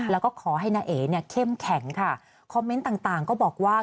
แล้วก็ขอให้น้าเอ๋เนี่ยเข้มแข็งค่ะคอมเมนต์ต่างต่างก็บอกว่า